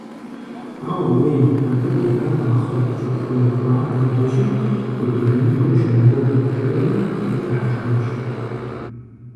Аууей, абы пӀихар ахърэт щӀыхуэ жыхуаӀэм хуэдэщи, къыуитыжынкӀэ ущымыгугъ, – жиӀэри лӀыр дыхьэшхащ.